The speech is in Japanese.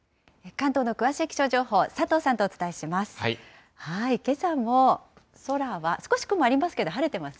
関東の詳しい気象情報、佐藤さんとお伝えします。